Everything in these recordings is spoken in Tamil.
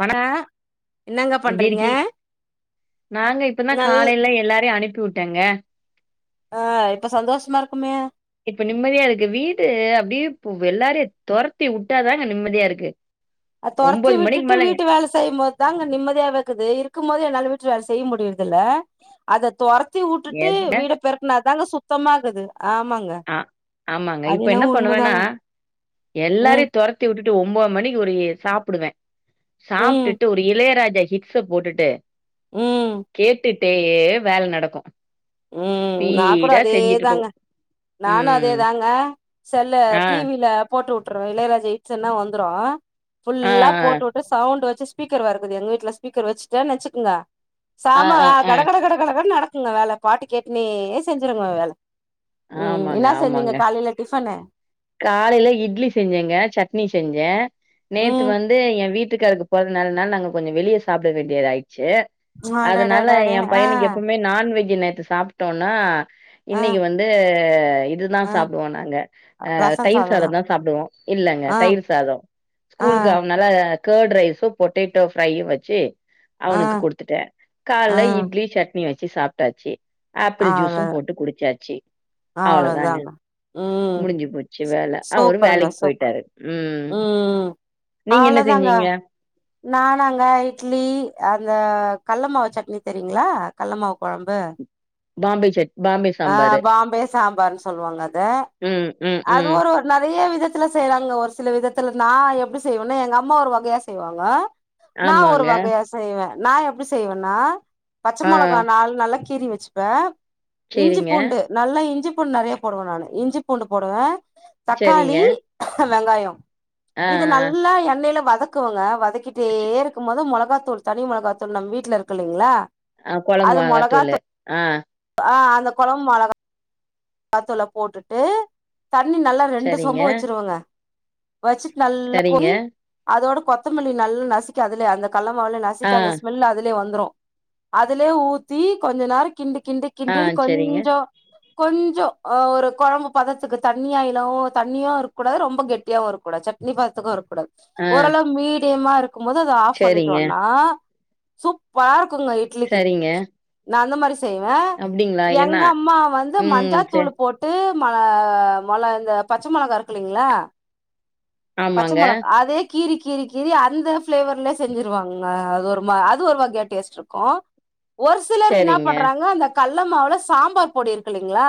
வணக் ஆ என்னங்க எப்டி பண்றீங்க இருக்கீ நாங்க இப்பதா நல் காலையில எல்லாரையும் அனுப்பி உட்டேங்க ஆ இப்ப சந்தோஷமா இருக்குமே இப்ப நிம்மதியா இருக்கு வீடு அப்டியே பு எல்லாரயும் தொரத்தி உட்டாதாங்க நிம்மதியா இருக்கு ஆ தொரத்தி ஒம்போது மணிக்கு விட்டுட்டு மேல வீட்டு வேல செய்போ தாங்க நிம்மதியாவேகீது இருக்க போது என்னால வீட்டு வேல செய்ய முடியறதில்ல அத தொரத் தி உட்டுட்டு எத வீட பெருக்கன தாங்க சுத்தமாகிது ஆமாங்க ஆ ஆமாங்க அது இப்ப என்ன என்னவோ பண்ணுவேன்னா உண்மதாங்க ம் எல்லாரையும் தொரத் தி உட்டுட்டு ஒன்பது மணிக்கு ஒரு எ சாப்டுவன் ம் சாப்ட்டுட்டு ஒரு இளையராஜா ஹிட் ஸு போட்டுட்டு ம் கேட்டுட்டேயே வேல நடக்கும் ம் நா கூட அதே தாங்க நானு அதே ம் தாங்க செல்ல ஆ டிவி ல போட்டு உட்டுருவ இளையராஜா ஹிட்ஸ் எல்லா வந்துரும் ஆ ஃபுல்லா போட்டு உட் டு சவுண்டு வச்சி ஸ்பீக்கர் வேறகீது எங்க வீட்ல ஸ்பீக்கர் வச்சிட்டன் வச்சிக்குங்க ஆ ஆ சாமவா ஆ ஆ கடகட கட கட கடன்னு நடக்குங்க வேல பாட்டு கேட்டுனே செஞ்சிருவங்க வேல ம் ஆமாங்க என்னா ஆமாங்க செஞ்சீங்க காலையில டிஃபனு காலையில இட்லி செஞ்சேங்க சட்னி செஞ்சேன் நேத்து ம் வந்து ஏன் வீட்டுக்காருக்கு பொறந்த நாளு அனால நாங்க கொஞ்சம் வெளிய சாப்ட வேண்டியதாயிடுச்சி அதனால அடடடடே என் ஆ பையனுக்கு எப்பவுமே நான்வெஜி நேத்து சாப்ட்டோன்னா ஆ இன்னைக்கு வந்து இதுதா ஆ சாப்டுவோம் நாங்க ஆ ரசம் தயிர் சாதம் தான். தா சாப்டுவோம் இல்லங்க ஆ தயிர் சாதம் ஆ ஸ்கூலுக்கு அனால கர்ட் ரைஸும் பொட்டேட்டோ ஃப்ரையும் வச்சி ஆ அவனுக்கு குடுத்துட்டேன் ஆ கால்ல இட்லி சட்னியும் வச்சி சாப்ட்டாச்சி ஆப்பிள் அவ்ளோ ஜூஸும் போட்டு குடிச்சாச்சி அவ்ளோதாங்க ம் முஞ்சி போச்சி வேல அவரும் சூப்பருங்க வேலைக்கு சூப்பர் போயிட்டாரு ம் ம் நீங்க என்ன அவ்ளோதாங்க செஞ்சீங்க நானாங்க இட்லி அந்த கல்ல மாவு சட்னி தெரியுங்களா கல்ல மாவு கொழம்பு பாம்பே சட் பாம்பே அ சாம்பாரு பாம்பே சாம்பார்ன்னு சொல்லுவாங்க அத ம் ம் ம் நறைய விதத்துல செய்யறாங்க ஒரு சில நா செய்வேன்னா எங்க அம்மா ஒரு வகையா செய்வாங்க நான் ஒரு ஆமாங்க வகையா செய்வேன் நா எப்டி செய்வேன்னா பச்ச ஆ மொளகா நாள் நல்லா கீறி வச்சுப்பேன் இஞ்சி சேரிங்க பூண்டு நல்லா இஞ்சி பூண்டு நறைய போடுவேன் நான் இஞ்சி பூண்டு போடுவேன் சரிங்க தக்காளி வெங்காயம் ஆ இது ஆ நல்லா எண்ணெயில வதக்குவங்க வதக்கிட்டே ச இருக்கும் போது மொளகா தூள் தனி மொளகா தூள் நம்ம வீட்டுல இருக்கு இல்லைங்களா ஆ கொழம்பு அது மொளகாத் தூளு மொளகாத்தூள் ஆ ஆ அந்த கொழம்பும் மொள காத்தூள போட்டுட்டு தண்ணி நல்லா ரெண்டு சரிங்க சொம்பு வச்சிருவங்க வச்சுட்டு நல்லா சரிங்க கொய் அதோட கொத்தமல்லி நல்லா நசிக்கி அதுல அந்த கள்ள மாவுளே நசு ஆ நசுக்கி அந்த ஸ்மெல் அதுலயே வந்துரும் அதுலயே ஊத்தி கொஞ்ச நேரம் கிண்டு கிண்டு ஆ கிண்டுன்னு சரிங்க கொஞ்ஜோ கொஞ்ஜோ அ ஒரு கொழம்பு பதத்துக்கு தண்ணியா இல்லாம தண்ணியு இருக்க கூடாது ரொம்ப கெட்டியாகவும் இருக்கூடா சட் னி பதத்துக்கு இருக்க கூடாது ஆ ஓரளவு மீடியமா இருக்கும் போது அத ஆஃப் சரிங்க பண்ணிட்டோனா சூப்பரா இருக்குங்க இட் இட்லிக்கு சரிங்க நா அந்த மாரி செய்வேன் அப்டிங்களா என்ன எங்க அம்மா வந்து ம் மஞ்சாத்தூள் சரி போட்டு மளா மொள இந்த பச்ச மொளகா இருக்குலீங்ளா பச்ச ஆமாங்க மொளக் அதே கீறி கீரி கீறி அந்த ஃபிளேவர்லயே செஞ்சுருவாங்க அது ஒரு மா அது ஒரு வகையா டேஸ்ட் இருக்கும் ஒரு சிலர் என்ன சரிங்க பண்றாங்க அந்த கல்ல மாவுல சாம்பார் பொடி இருக்குல்லீங்ளா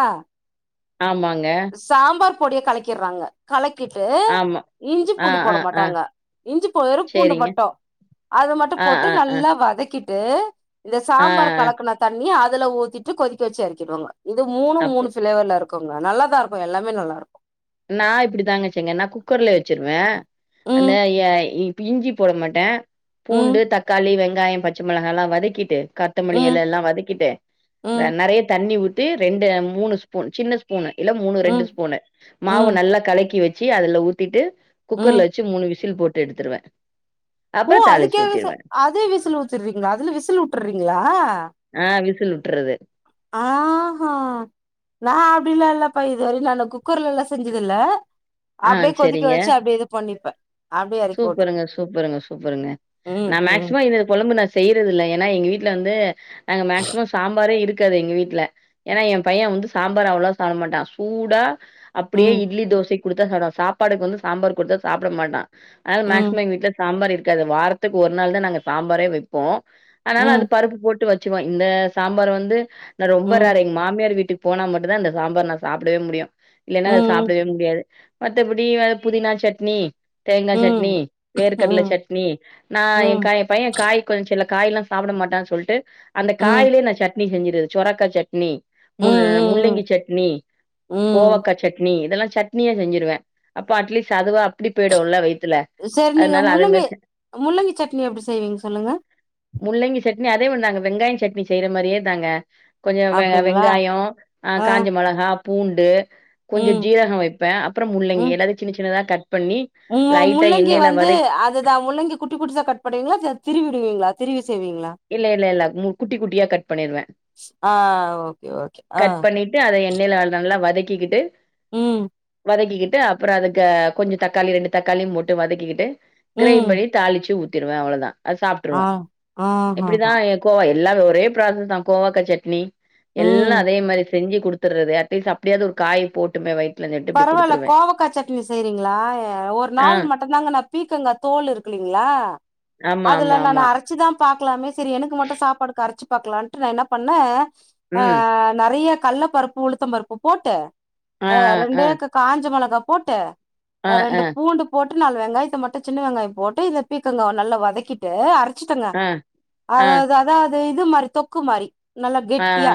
ஆமாங்க சாம்பார் பொடிய கலக்கிர்றாங்க கலக்கிட்டு ஆமா இஞ்சி ஆ பூண்டு ஆ போட ஆ மாட்டாங்க இஞ்சி போ வெறு பூண்டு சரிங்க மட்டும் அது மட்டும் ஆ போட்டு ஆ ஆ நல்லா வதக்கிட்டு ட்டு இந்த ஆ சாம்பார் ஆ கலக்குன தண்ணி அதுல ஊத்திட்டு கொதிக்க வச்சு எறக்கிருவங்க இது மூணு அப் மூணு ஃபிளேவர்ல இருக்கும்ங்க நல்லாதா இருக்கும் எல்லாமே நல்லா இரு நா இப்டி தாங்கச் செங்கன் நா குக்கர்லே வச்சிருவேன் அந்த ம் எ இ இஞ்சி போட மாட்டேன் ம் பூண்டு தக்காளி வெங்காயம் பச்ச மிளகா எல்லாம் வதக்கிட்டு கத் கொத்தமல்லி ம் எல எல்லாம் வதக்கிட்டு ந ம் நறைய தண்ணி ஊத்தி ரெண்டு மூணு ஸ்பூன் சின்ன ஸ்பூனு இல்ல மூணு ரெண்டு ம் ஸ்பூன் மாவ ம் நல்லா கலக்கி வச்சு அதுல ஊத்திட்டு ம் குக்கர்ல வ ச்சு மூணு விசில் போட்டு எடுத்துருவேன் ஓ அதுக்கே விசி அதே விசில் வெச்சுறீங்ளா அதுல விசில் வுட்றீங்ளா ஆ விசில் வுட்றது ஆ ஆ ஆ நா அப்படிலாம் இல்லப்பா இதுவர நான் குக்கர்ல எல்லாம் செஞ்சது இல்ல ஆ அப்டியே கொதிக்க செரிங்க வச்சு அப்டியே இது பண்ணிப்பேன் சூப்பருங்க சூப்பருங்க சூப்பருங்க ம் நா ம் மேக்சிமம் இதுல கொழம்பு நா செய்யறது இல்ல ஏன்னா எங்க வீட்ல வந்து நாங்க மேக்சிமம் சாம்பாரே இருக்காது எங்க வீட்ல ஏன்னா என் பையன் வந்து சாம்பார் அவ்ளோவா சாப்ட மாட்டான் சூடா அப்டியே ம் இட்லி தோசைக் கொடுத்தா சாப்டுவான் சாப்பாடுக்கு வந்து சாம்பார் கொடுத்தா சாப்ட மாட்டான் அது ம் மேக்சிமம் எங்க வீட்டுல சாம்பார் இருக்காது வாரத்துக்கு ஒரு நாள் தான் நாங்க சாம்பாரே வைப்போம் அதுனால ம் அது பருப்பு போட்டு வச்சுக்குவோம் இந்த சாம்பார் வந்து நா ரொம்ப ம் ரேர் எங்க மாமியார் வீட்டுக் போனா மட்டும்தா இந்த சாம்பார நா சாப்டவே முடியு இல்லைன்னா அ ம் சாப்டவே முடியாது மத்தபடி அது புதினா சட்னி தேங்கா சட்னி ம் ம் வேர் கடல ம் சட்னி நா எயே காய எயே பைய காய் கொஞ்சோ சில காயில்லா சாப்ட மாட்டானு சொல்லிட்டு அந்த ம் ம் காய்லேயே நா சட்ன சட்னி செஞ்சட்றது சொரக்கா சட்னி மு ம் முள்ளங்கி சட்னி ம் கோவக்கா சட் நீ இதெல்லா சட்னியா செஞ்சிருவே அப்போ அட்லீஸ்ட் அதுவா அப்டி போயிடும்ல வயத்துல சேரி நீங்க முள்ளங்கி முள்ளங்கி சட்னி எப்டி செய்வீங்க சொல்லுங்க முள்ளங்கி சட்னி அதே மாரி நாங்க வெங்காய சட்னி செய்யற மாரியே தாங்க கொஞ்சோ வெ அப்டிங்களா வெங்காயோ ஆ காஞ்ச மொளகா பூண்டு கொஞ்சோ ம் ஜீரகம் வைப்பே அப்றோ முள்ளங்கி எல்லாத்தையு சின்ன சின்னதா கட் பண்ணி மு லைட்டா முள்ளங்கி எண்ணெய்ல வந்து வதக்கி அதுதா முள்ளங்கி குட்டி குட்டிஸா கட் பண்ணுவீங்ளா திருவிடுவீங்ளா திருவி செய்வீங்களா இல்ல இல்ல இல்ல குட்டி குட்டியா கட் பண்ணிருவே ஆ ஓகே ஓகே ஆ கட் பண்ணி ட்டு அத எண்ணெயில நல்லா வதக்கிக்கிட்டு ம் வதக்கிக்கிட்டு அப்பறோ அதுக்கு கொஞ்சோ தக்காளி ரெண்டு தக்காளியு போட்டு வதக்கிக்கிட்டு கிரைண்ட் ம் பண்ணி தாளிச்சி ஊத்திருவே அவ்ளதா அத ஆ சாப்ருவோ இப்டிதா ஆஹஹா கோவா எல்லாமே ஒரே ப்ராசஸ் தா கோவாக்கா சட்னி ம் எல்லா அதே மாரி செஞ்சி குடுத்துட்றது அட்லீஸ் அப்டியாது ஒரு காயி போட்டுமே வயித் பரவால்ல கோவக்கா சட்னி செய்றீங்ளா ஒரு ஆ நாள் மட்டுதாங்க நா பீக்கங்கா தோல் இருக்கு இல்லைங்ளா ஆமா ஆமா ஆமா அரைச்சிதா பாக்கலாமே செரி எனக்கு மட்டு சாப்பாடுக்கு அரைச்சி பாக்கலாட்டு நா என்ன பண்ணே ஆ ம் நறையா கல்ல பருப்பு உளுத்தம் பருப்பு போட்டு ஆ ஆ ரெண்டைக்கு காஞ்ச மொளகா போட்டு ஆ அ ஆ ரெண்டு பூண்டு போட்டு நாலு வெங்காயத்த மட்டு சின்ன வெங்காயோ போட்டு இந்த பீக்கங்காய நல்ல வதக்கிட் டு அரச்சிட்டங்க ஆ அதாது அதா இது மாரி தொக்கு மாரி நல்லா ஆ ஆ கெட்டியா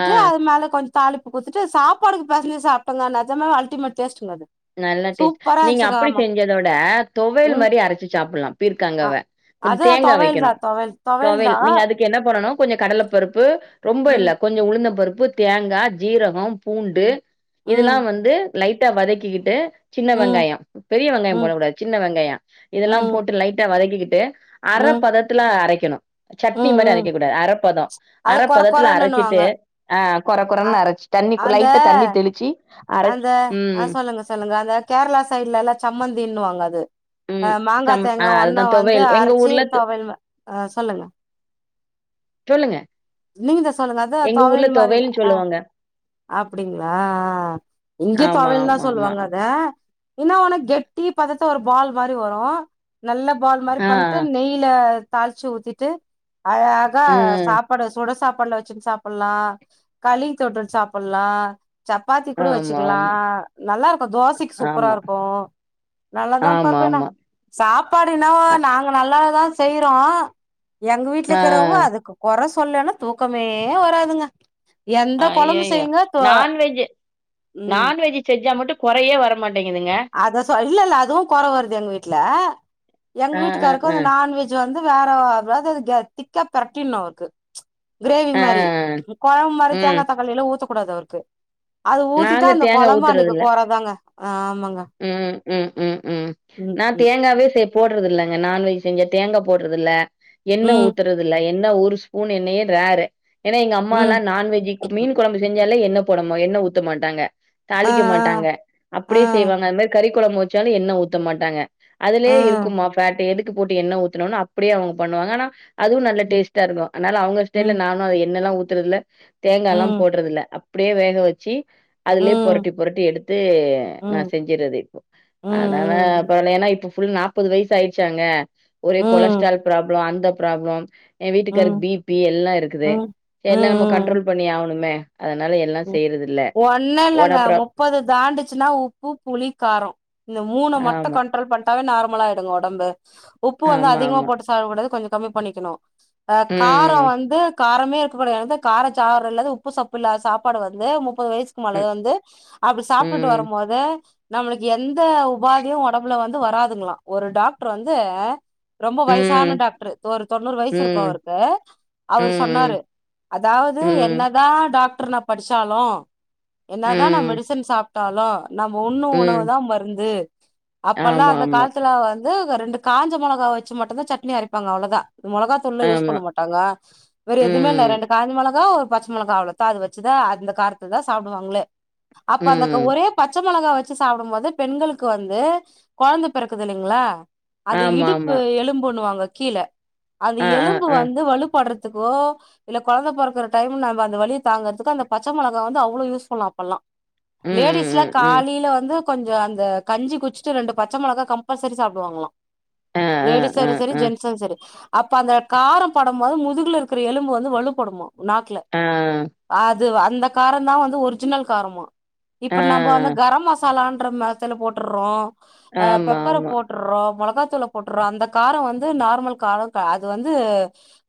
ஆ அது மேல கொஞ்சோ தாளிப்பு குத்துட்டு சாப்பாடுக்கு பெசஞ்சி சாப் டங்க நெஜமே அல்டிமேட் டேஸ்டுங்க அது நல்ல டேஸ்ட் சூப்பரா நீங்க இருந்துச்சுங்க அப்டி ஆமா செஞ்சதோட தொவையல் ம் மாறி அரச்சி சாப்பட்லா அ பீர்க்கங்காவ கொஞ்சோ அது தேங்கா தொவையல் தா வெக்கணு தொவையல் தா தொவையல் நீங்க அதுக் க்கு என்ன பண்ணனு கொஞ்சோ கடல பருப்பு ரொம்ப ம் இல்ல கொஞ்சோ உளுந்த பருப்பு தேங்கா ஜீரகம் பூண்டு ம் இதெல்லா ம் வந்து லைட்டா வதக்கிக்கிட்டு சின்ன ம் வெங்காயோ பெரிய வெங்காயோ ம் போடக்க கூடாது சின்ன வெங்காயோ இதெல்லா ம் போட்டு லைட்டா வதக்கிக்கிட்டு அர ம் பதத்துல அரைக்கணு சட்னி ம் மாரி ம். அரைக்க கூடாது அரப்பதோ அது கொர அரைப்பதத்துல அரச்சிட்டு கொரன்னுவாங்க ஆ கொர அ கொரன்னு அரச் அந்த அரச் அந்த ஆ ம் சொல்லுங்க சொல்லுங்க அந்த கேரளா சைட்ல எல்லா சம்மந்தின்னுவாங்க அது அ ம் மாங்கா சம் ஆ தேங்கா அதுதா ஒன்னா வந்து தொவையல் எங்க அரச்சி ஊர்ல து- துவையல் மா ஆ சொல்லுங்க சொல்லுங்க நீங்க தா சொல்லுங்க அதா எங்க ஊர்ல தொவையல் மாரி தொவையல்னு ஆ சொல்லுவாங்க அப்டிங்ளா இங்கயு ஆமா தொவையல் தா ஆமா ஆமா சொல்லுவாங்க அத இன்னா ஒன்னு கெட்டி பதத்த ஒரு பால் மாரி வரு நல்ல பால் மாரி ஆ பண்ணிட்டு நெய் யில தாளிச்சி ஊத்திட்டு அழக ம் சாப் பாடு சுட சாப்பாட்ல வச்சுட் சாப்புல்லா களி தொட்டுட் சாப்புல்லா சப்பாத்தி கூட ஆமா, வச்சுக்லா ஆமா, நல்லாருக்கு தோசைக் சூப்பரா ஆமா, இருக்கு நல்லாதாம்ப்பா ஆமா, இருக்கு என்னா ஆமா. சாப்பாடு இன்னாவோ அ நாங்க நல்லததா செய்றோ எங்க ஆ. வீட்லக்குறவுங்க அதுக்கு கொற சொல்லேன்ன தூக்கமே வராதுங்க எந்த அ கொழம்பு ஐயயோ செய்யுங்க தோ நான்வெஜ்ஜு ம் நான்வெஜ்ஜி செஞ்சா மட்டு கொறையே வரமாட்டேங்கிதுங்க அத சொ இல்லல்ல அதுவு கொற வருது எங் வீட் எங் ஆ, ஆ, வீட்டுக்காருக்கு ஆ, அந்த நான்வெஜ் ஜ் வந்து வேற [unintelligible] திக்கா பெரட்டிற்னு அவுருக்கு கிரேவி ஆ, மாரி கொழம்பு மாரி ம். தேங்க் தக் காளி எல்லா ஊத்தக்கூடாது அவுர்க்கு அது ஊத்திட்டா நாங்க அந்த தேங்கா கொழம்பு அன்னக்கி ஊத்துறதில்ல. கொறதாங்க ஆமாங்க ம் ம்ம்ம் ம் நா ம் தேங்காவே சேப் போட்றதுல்லங்க நான்வெஜ் செஞ்ச தேங்கா போட்றதுல்ல என்ன ம் ஊத்துறதுல்ல என்ன ஒரு ஸ் ஊண் எண்ணயே ரேரு ஏன்னா எங்க அம்மாலா ம் நான்வெஜ்ஜி மீன் கொழம்பு செஞ்சாலே என்ன போடமு எண்ண ஊ த்து மாட்டாங்க ஆ தாளிக்க மாட்டாங்க ஆ அப்புடியே ஆ செய்வாங்க அது மாரி கறி ககொழம்பு வச்சாலு எண்ண ஊத்த மாட்டாங்க அதுலே ஆ இருக்குமா ஃபேட்டு எதுக்கு போட்டு எண்ண ஊத்துணுனு அப்புடியே அவுங்க பண்ணுவாங்க ஆனா அதுவு நல்ல ம் டேஸ்ட்டா இருக்கு அத்னால அவுங்க ஸ்ல்ல ம் நானு அது எண்ணல்லா ஊத்துறதுல்ல தேங்கால்லா ம் போட்றதுல்ல அப்புடே வேக வச்சி அதுலே ம் பொரட்டி பொரட்டி எடுத்து நா ம் செஞ் கிறது இப்போ அத்னால ப்ப ம் ஏன்னா இப்ப ஃபுல் நாப்பது வய்ஸ் ஆயிட்ச்சாங்க ஒரே ம் ம் கொலஸ்ட்ரால் ப்ராப்ளம் அந்த ப்ராப்ளம் ஏ வீட்டுக்காருக்கு ம் பிபி எல்லா இருக்குது ம் ம் எல்லா நம்ம ம் கண்ட்ரோல் பண்ணி ஆவணுமே அதனால எல்லா செய்றது இல்ல இல்ல இல்லங்க ஒடப்புற முப்பது தாண்டுச்சுனா உப்பு புளி காரோ இந்த மூண மட்டு ஆமா கண்ட்ரோல் பண் டாவே நார்மலா ஆயிடுங்க ஒடம்பு உப்பு வந்து ஆமா அதிகமா ஆமா போட்டு சாவ்ட கூடாது கொஞ்ச கம்மி பண்ணிக்கிணு காரோ ம் வந்து காரமே இருக்கக்கூடாதுது எனக்தா கார சாவர இல்லது உப்பு சப்பு இல்லாத சாப் படு வந்து முப்பது வய்சுக்கு ம் மேலத வந்து அப்புடி சாப்ட்டுட்டு ம் வரும்மோது நம்ளுக்கு எந்த உபாதியு ஒடம்புல வந்து வராதுங்ளா ஒரு டாக்ட்ரு வந்து ரொம்ப வய்சான ம் டாக்ட்ரு ஒரு தொண்ணூறு வய்சு இருக்க ம் அவுர்க்கு அவுரு ம் சொன்னாரு அதாவுது ம் என்னதா டாக் டுர் நா படிச்சாலு என்ன தா நநா ம் மெடிசன் சாப்ட்டாலு நம்ப ஒன்னு உணவு ம் தா மருந்து அப்பல்லா ஆமா அந்த ஆமா கால்த்துல வந்து க ரெண்டு காஞ்ச மொளகா வச்சி மட்டுந்தா சட்னி அரைப்பாங்க அவுளோதா மொளகாத் உள்ள யூஸ் ஆமா பண்ண மாட்டாங்க வேற எதுமே இல்ல ம் ரெண்டு காய் மொளகா ஒரு பச் மொளகா அவ்ளோதா அது வெச் சிதா அந்த காரத்து தா சாப்டுவாங்களே அப்ப அந்தக்க ம் ஒரே பச்ச மொளகா வச்சு சாப்புடும்போது பெண்களுக்கு வந்து கொழந்த பிறக்குது இல்லைங்ளா அந்த ஆமா இடுப்பு ஆமா எலும்புண்ணுவாங்க கீழ அந்த ஆ ஆ எலும்பு ஆ வந்து வலுப்பட்றத் துக்கோ இல்ல கொழந்த பொறக்குற டைம்ல நம்ப அந்த வலிய தாங்கற்த் துக்கு அந்த பச்ச மொளகா வந்து அவுளோ யூஸ்ஃபுல்லா அப்பல்லா ம் லேடிஸ்லா ம் ம் ம் காலைல வந்து கொஞ்சோ அந்த கஞ்சி குச்சிட்டு ரெண்டு பச்ச மொளகா கம்பல்சரி சாப்டுவாங்ளா ஆ ஆ ஆ லேடிஸாரு செரி ஆ ஜென்ஸு செரி அப்ப அந்த காரோ பட் டம்மோது முதுகுல இருக்குற எலும்பு வந்து வலுப்படுமா நாக்குல அ அது அந்த காரந்தா வந்து ஒரிஜினல் காரமா ஆ, இப்ப நம்ப அந்த கரம் மசாலான்றம தல போட்டுற்றோ அ ஆமா, பெப்பர ஆமா. போட் டுற்ரோ மொளகாத்தூள போட்டுற்றோ அந்த கார வந்து நார்மல் காரோ க அது வந்து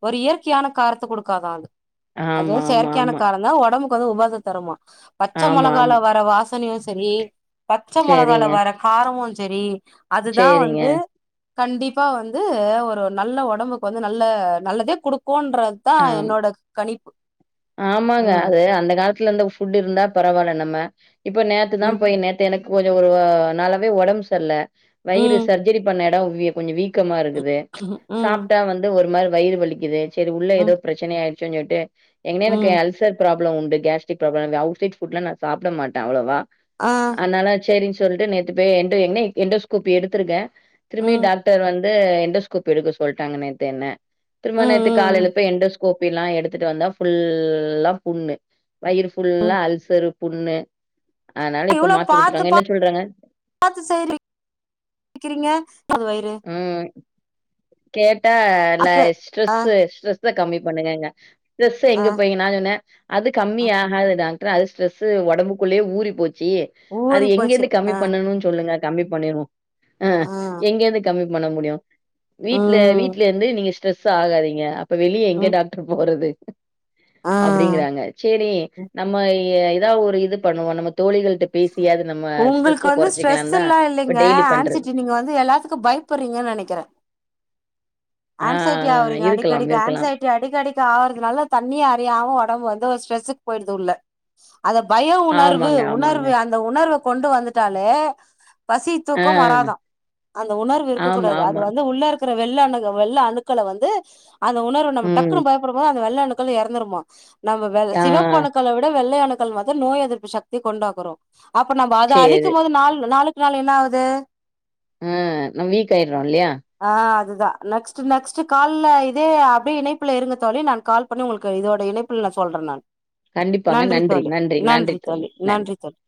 ஒரு இயற்கையான காரத்த குடுக்காதா அது ஆமா ஆமா ஆமா அதா ஒடம்புக்கு வந்து உபாத தருமா பச்ச ஆமா, மொளகால ஆமா. வர வாசனையு சரி பச்ச மொளகால சரிங்க, வர காரமு சரி அதுதா சரிங்க. வந்து கண்டிப்பா வந்து ஒரு நல்ல ஒடம்புக்கு வந்து நல்ல நல்லதே குடுக்குன்ற தா ஆம். என்னோட கணிப்பு ஆமாங்க ம் அது அந்த காலத்துல இருந்தா ஃபுட் இருந்தா பரவால்ல நம்ம இப்ப நே தா ம் போய் நேத்து எனக்கு கொஞ்சோ ஒரு நாளாவே ஒடம்பு சரியில்ல வயிறு ம் சர்ஜரி பண்ண எடோ கொஞ்ச வீக்கமா இருக்குது ம் சாப்ட்டா வந்து ஒரு மாரி வயிறு வலிக்குது சரி உள்ள ஏதோ ம் பிரச்சன ஆயிடுச்சுன்னு சொல்ட்டு ஏற்கனே எனக்கு ம் அல்சர் ப்ராம்ளம் உண்டு கேஸ்ரிக் ப்ராம்ளம் அவுட்சைட் ஃபுட்ல்ல நா சப்ட மாட்டே அவ்வளவா ஆ அதனால சேரின் சொல்ட்டு நேத்து போய் என்டஸ்கோபி எடுத்துருக்கே திரும்பி ம் டாக்டர் வந்து வந்து என்டோஸ்கோபி எடுக்க சொல்ட்டாங்க நேத்து என்ன திரும்ப ம் நேத்து ம் காலேல இப்ப என்டோஸ்கோப்பில்லா எடுத்துட்டு வந்தா ஃபுல்லா புண்ணு வயிறு ஃபுல்லா அல்சரு புண்ணு அதனால இப்ப இவ்ளோ மாத்தி பாத்து குடுத்துருக்காங்க என்ன சொல்றாங்க பாத்து செய்றீ க்கிறீங்க அது வயிறு உம் கேட்டா இல்ல அக்கு ஸ்ட்ரெஸு ஸ்ட்ரெஸ கம்மி பண்ணுங்கங்க ஸ்ட்ரெஸ ஆ எங்க போய் நா சொன்னே அது ஆ கம்மிய ஆகாது டாக்டரு அது ஸ்ட்ரெஸ் ஒடம்புக்குள்ளேயே ஊறி போய்ச்சி அத ஊறி போச்சு எங்கிருந்து கம்மி ஆ பண்ணனு சொல்லுங்க கம்மி பண்ணிருவோ ஆ எங்கேருந்து கம்மி பண்ண முடியு வீட்ல ம் வீட்ல இருந்து நீங்க ஸ்ட்ரெஸ் ஆகாதீங்க அப்ப வெளிய எங்க ம் டாக்ரு போறது ஆ அப்டிங்குறாங்க சேரி நம்ம எதா ஒரு இது பண்ணுவோ நம்ம தோழிகள்ட உங்களுக்கு வந்து ஸ்ட்ரெஸ் தான் எல்லா இப்ப இல்லங்க டெய்லி பண்றது. ஆன்சிட்டி நீங்க வந்து எல்லாத்துக்கு பய ப்புறங்கன் நெனக்குறே ஆ ஆன்சைட்டி ஆ ஆ. ஆவறீங்க அடிக்க இருக்கலாம், அடிக்கு இருக்கலாம். ஆன்சைட்டி அடிக்க அடிக்க ஆகுறதுனால தன்னை அறியாம ஒடம்பு வந்து ஒரு ஸ்ரெஸ்ஸுக்கு போயிடுது உள்ள அந்த பய உணர்வு ஆமாங்க, ஆமாங்க. உணர்வு அந்த உணர்வை கொண்டு வந்துட்டாலே பசி ஆ தூக்கம் வராதா அந்த உணர்வு இருக்கக்க ஆமா, கூடாது அது ஆமா. வந்து உள்ள இருக்குற வெள்ள அணுக் வெள்ள அணுக்கள வந்து அந்த உணர்வு நம்ம ம். டக்குன்னு பயப்படும்போது அந்த வெள்ள அணுக்கள் எறந்துருமா நம்ம வெ ஆ சிப்பணுக்கள விட வெள்ளையணுக்கள் வந்து நோய் எதிர்ப்பு சக்திய கொண்டாக்குறோ அப்ப நம்ம அது சரி. அழிக்கும் போது நாள் நாளுக்கு நாள் என்ன ஆகுது ஆ நம் வீக் ஆயிறோ இல்லையா ஆ அதுதா நெக்ஸ்ட்டு நெக்ஸ்ட்டு கால்ல இதே அப்டியே இணைப்பில இருங்க தோழி நான் கால் பண்ணி உங்களுக்கு இதோட இணைப்பில் நா சொல்றே நானு நன்றி தோழி நன்றி தோழி நன்றி தோழி